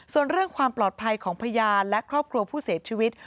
ส่วนเรื่องความปลอดภัยของพยานและครอบครัวผู้เสียชีวิต